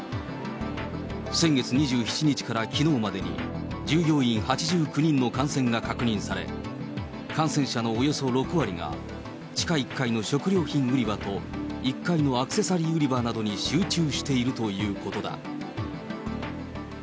先月２７日からきのうまでに、従業員８９人の感染が確認され、感染者のおよそ６割が、地下１階の食料品売り場と１階のアクセサリー売り場などに集中しているということだ。